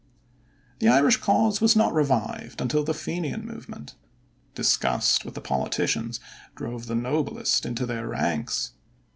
The Irish cause was not revived until the Fenian movement. Disgust with the politicians drove the noblest into their ranks.